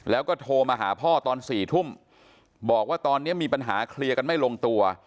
แล้วก็โทรมาหาพ่อตอน๔ทุ่มบอกว่าตอนนี้มีปัญหาเคลียร์กันไม่ลงตัว